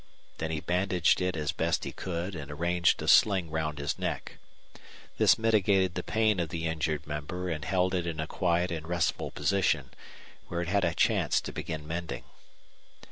Then he bandaged it as best he could and arranged a sling round his neck. This mitigated the pain of the injured member and held it in a quiet and restful position, where it had a chance to begin mending.